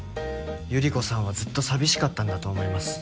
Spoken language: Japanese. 百合子さんはずっと寂しかったんだと思います